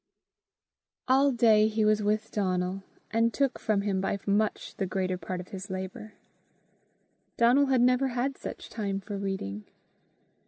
All day he was with Donal, and took from him by much the greater part of his labour: Donal had never had such time for reading.